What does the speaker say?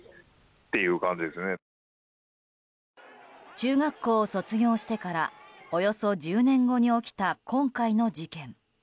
中学校を卒業してからおよそ１０年後に起きた今回の事件。